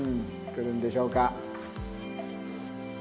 来るんでしょうか？